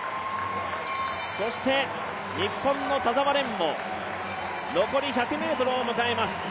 日本の田澤廉も残り１００ｍを迎えます。